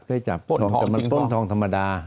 เคยจับทองแต่มันพ้นทองธรรมดา